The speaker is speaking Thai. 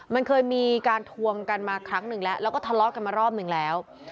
มันเคยมีการทวงกันมาครั้งหนึ่งแล้วแล้วก็ทะเลาะกันมารอบหนึ่งแล้ว